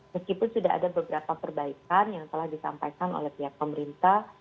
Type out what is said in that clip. meskipun sudah ada beberapa perbaikan yang telah disampaikan oleh pihak pemerintah